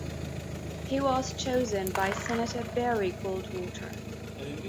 He was chosen by Senator Barry Goldwater.